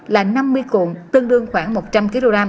là năm mươi cuộn tương đương khoảng một trăm linh kg